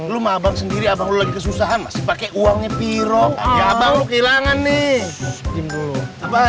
lu sama abang sendiri abang lagi kesusahan masih pakai uangnya piroh abang lu kehilangan nih